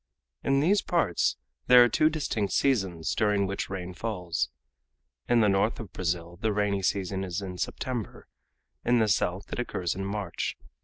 In these parts there are two distinct seasons during which rain falls. In the north of Brazil the rainy season is in September; in the south it occurs in March.